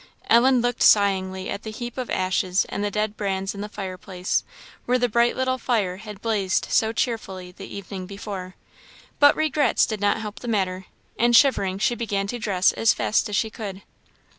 Ellen looked sighingly at the heap of ashes and the dead brands in the fireplace, where the bright little fire had blazed so cheerfully the evening before. But regrets did not help the matter, and shivering she began to dress as fast as she could.